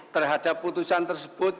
terhadap putusan tersebut